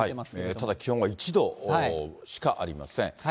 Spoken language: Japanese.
ただ気温が１度しかありません。